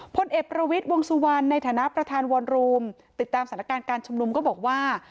พลเอกประวิทย์วงสุวรรณในฐานะประธานวอนรูมติดตามสถานการณ์การชุมนุมก็บอกว่า